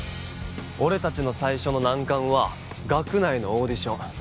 俺達の最初の難関は学内のオーディション